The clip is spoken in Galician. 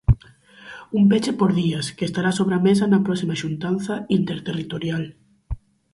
Un peche por días que estará sobre a mesa na próxima xuntanza interterritorial.